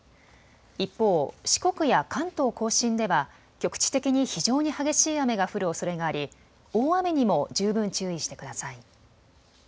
一方、四国や関東甲信では局地的に非常に激しい雨が降るおそれがあり大雨にも十分注意してください。